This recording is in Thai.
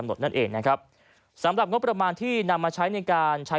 หดนั่นเองนะครับสำหรับงบประมาณที่นำมาใช้ในการใช้